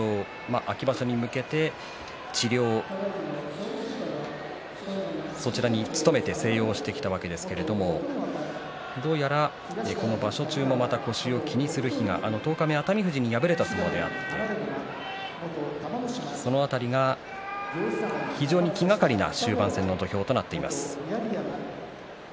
秋場所に向けて治療に努めて静養してきたわけですがどうやらこの場所中もまた腰を気にする日十日目、熱海富士に敗れた相撲であってその辺りが非常に気がかりな終盤戦の土俵となっています。